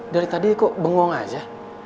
dari tadi kok bengong aja